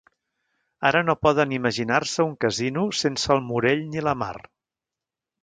Ara no poden imaginar-se un casino sense el Morell ni la Mar.